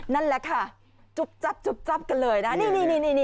นั่นแหละค่ะจุ๊บจับจุ๊บจับกันเลยนะนี่นี่นี่นี่นี่นี่